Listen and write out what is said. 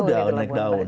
udah udah naik down